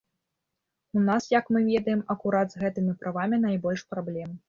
У нас, як мы ведаем, акурат з гэтымі правамі найбольш праблем.